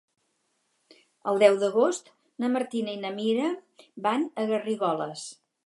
El deu d'agost na Martina i na Mira van a Garrigoles.